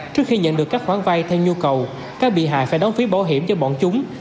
trước khi nhận được các khoản vay theo nhu cầu các bị hại phải đóng phí bảo hiểm cho bọn chúng